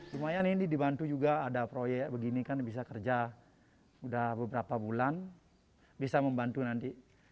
lumayan ini dibantu juga ada proyek begini kan bisa kerja udah beberapa bulan bisa membantu nanti